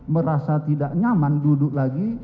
merasa tidak nyaman duduk lagi